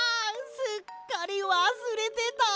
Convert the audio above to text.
すっかりわすれてた！